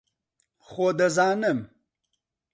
خۆ دەزانم